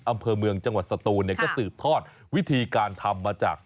อำเภอเมืองจังหวัดสตูนเนี่ยก็สืบทอดวิธีการทำมาจาก